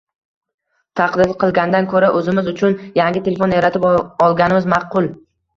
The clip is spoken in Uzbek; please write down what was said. Taqlid qilgandan koʻra, oʻzimiz uchun yangi telefon yaratib olganimiz maʼqul.